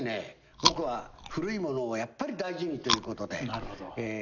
僕は古いものをやっぱり大事にということで３月２６日。